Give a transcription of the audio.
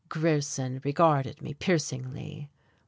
Grierson regarded me piercingly.